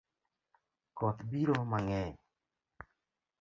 Koth biro mangeny